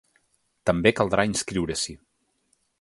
També caldrà inscriure-s’hi.